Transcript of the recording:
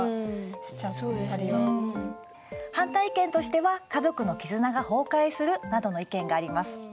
反対意見としては「家族の絆が崩壊する」などの意見があります。